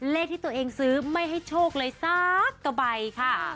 เลขที่ตัวเองซื้อไม่ให้โชคเลยสักกะใบค่ะ